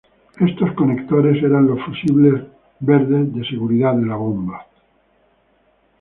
Estos conectores eran los fusibles verdes de seguridad de la bomba.